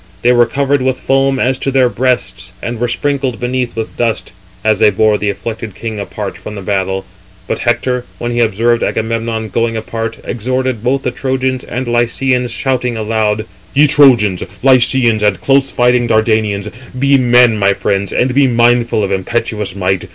They were covered with foam as to their breasts, and were sprinkled beneath with dust, as they bore the afflicted king apart from the battle. But Hector, when he observed Agamemnon going apart, exhorted both the Trojans and Lycians, shouting aloud: "Ye Trojans, Lycians, and close fighting Dardanians, be men, my friends, and be mindful of impetuous might.